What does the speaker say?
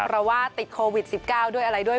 เพราะว่าติดโควิด๑๙ด้วยอะไรด้วย